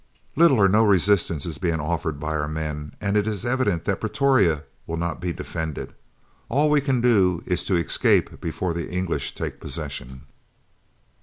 Little or no resistance is being offered by our men, and it is evident that Pretoria will not be defended. All we can do is to escape before the English take possession."